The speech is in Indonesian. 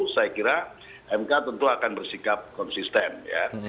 saya kira mk tentu akan bersikap konsisten ya